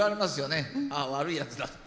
「あっ悪いやつだ」って。